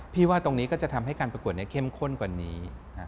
ว่าตรงนี้ก็จะทำให้การประกวดนี้เข้มข้นกว่านี้